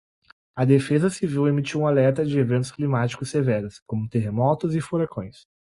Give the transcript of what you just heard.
A defesa civil emitiu um alerta de eventos climáticos severos, como terremotos e furacões